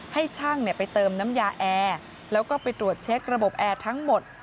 ให้ช่างไปเติมน้ำยาแอร์แล้วก็ไปตรวจเช็คระบบแอร์ทั้งหมด